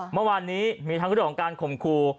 เมื่อวานนี้มีทั้งเรื่องของการข่มครู